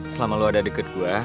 selama lo ada deket gue